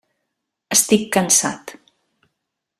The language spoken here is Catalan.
Estic cansat.